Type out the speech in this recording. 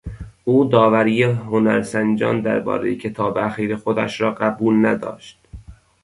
او داوری هنرسنجان دربارهی کتاب اخیر خودش را قبول ندارد.